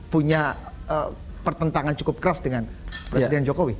punya pertentangan cukup keras dengan presiden jokowi